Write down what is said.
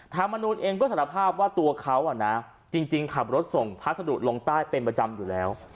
ธรรมนูลเองก็สารภาพว่าตัวเขาจริงขับรถส่งพัสดุลงใต้เป็นประจำอยู่แล้ว